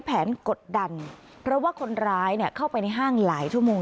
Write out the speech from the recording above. กดดันเพราะว่าคนร้ายเข้าไปในห้างหลายชั่วโมง